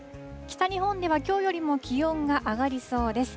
北日本では、きょうよりも気温が上がりそうです。